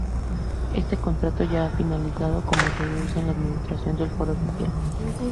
Este contrato ya ha finalizado, como se deduce de la administración del foro oficial.